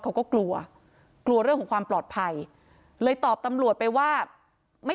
เขาก็กลัวกลัวเรื่องของความปลอดภัยเลยตอบตำรวจไปว่าไม่